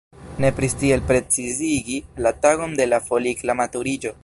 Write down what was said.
Nepris tiel precizigi la tagon de la folikla maturiĝo.